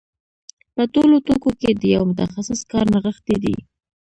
په ټولو توکو کې د یو متخصص کار نغښتی دی